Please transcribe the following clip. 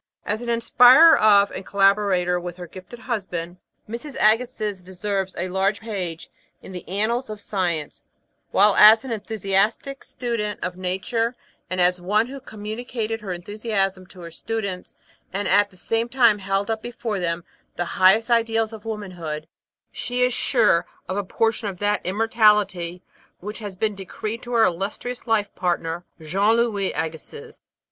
As an inspirer of and collaborator with her gifted husband, Mrs. Agassiz deserves a large page in the annals of science, while as an enthusiastic student of nature and as one who communicated her enthusiasm to her students, and at the same time held up before them the highest ideals of womanhood, she is sure of a portion of that immortality which has been decreed to her illustrious life partner, Jean Louis Agassiz.